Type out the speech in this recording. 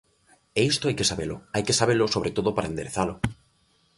E isto hai que sabelo, hai que sabelo sobre todo para enderezalo.